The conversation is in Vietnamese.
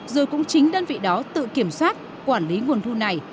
rồi cũng chính đơn vị đó tự kiểm soát quản lý nguồn thu này